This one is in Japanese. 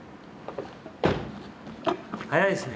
早いですね。